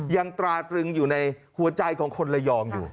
ตราตรึงอยู่ในหัวใจของคนระยองอยู่